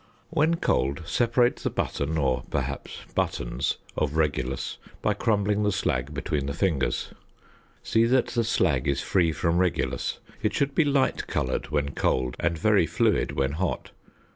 When cold separate the button, or perhaps buttons, of regulus by crumbling the slag between the fingers. See that the slag is free from regulus. It should be light coloured when cold and very fluid when hot.